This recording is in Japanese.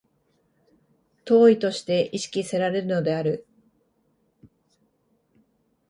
当為として意識せられるのである。